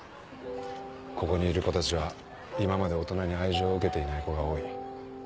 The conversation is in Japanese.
ここにいる子たちは今まで大人に愛情を受けていない子が多い。